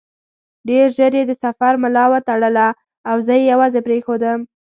ډېر ژر یې د سفر ملا وتړله او زه یې یوازې پرېښودم.